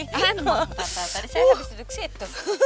emang tante tadi saya habis duduk situ